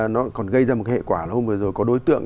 nó còn gây ra một hệ quả là hôm vừa rồi có đối tượng